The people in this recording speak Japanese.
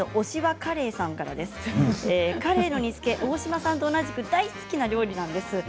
カレイの煮つけ、大島さんと同じく大好きな料理なんです。